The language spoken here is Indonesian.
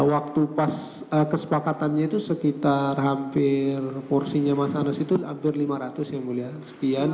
waktu pas kesepakatannya itu sekitar hampir porsinya mas anas itu hampir lima ratus ya mulia sekian